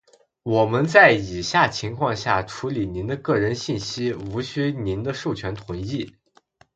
我们在以下情况下处理您的个人信息无需您的授权同意：